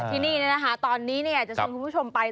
ที่นี้ตอนนี้จะชมคุณผู้ชมไป